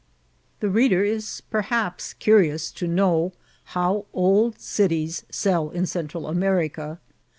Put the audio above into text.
The reader is perhaps curious to know how old cities sell in Central America.